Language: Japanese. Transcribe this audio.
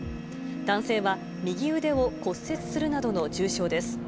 男性は右腕を骨折するなどの重傷です。